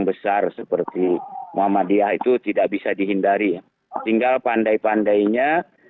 tapi saya kira ini mungkin mau tidak mau dampak dari menjelang pilpres dua ribu dua puluh empat ya